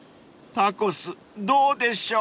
［タコスどうでしょう？］